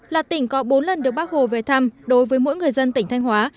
là tỉnh có bốn lần được bác hồ về thăm đối với mỗi người dân tỉnh thanh hóa